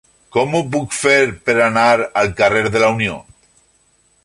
Com ho puc fer per anar al carrer de la Unió?